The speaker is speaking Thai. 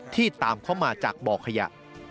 ที่ตามเข้ามาจากบ่อขยะ